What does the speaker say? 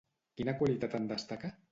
Quina qualitat en destaca?